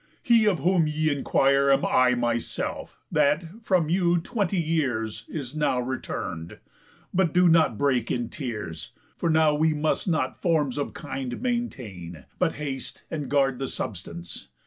He of whom y' enquire Am I myself, that, from you twenty years, Is now return'd. But do not break in tears, For now we must not forms of kind maintain, But haste and guard the substance.